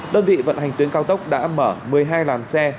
đơn vị vận hành tuyến cao tốc đã mở một mươi hai làn xe